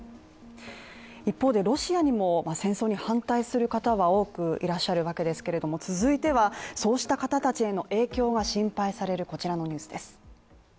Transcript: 一方で、ロシアにも戦争に反対する方は多くいらっしゃるわけですけれども、続いては、そうした方たちへの影響が心配されるこちらのニュースです。